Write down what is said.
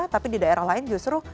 tapi di daerah lain justru